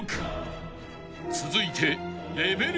［続いて］